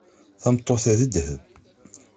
Tameṭṭut-a d dheb.